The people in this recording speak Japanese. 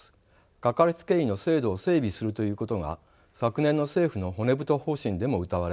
かかりつけ医の制度を整備するということが昨年の政府の骨太方針でもうたわれ